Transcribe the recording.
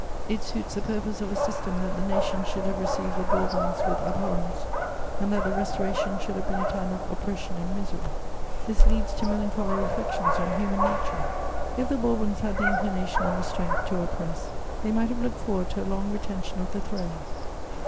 It suits the purpose of a system that the nation should have received the Bourbons with abhorrence and that the Restoration should have been a time of oppression and misery. This leads to melancholy reflections on human nature. If the Bourbons had the inclination and the strength to oppress, they might have looked forward to a long retention of the throne.